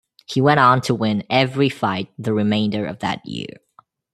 He went on to win every fight the remainder of that year.